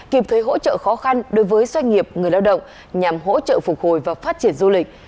kịp thuê hỗ trợ khó khăn đối với doanh nghiệp người lao động nhằm hỗ trợ phục hồi và phát triển du lịch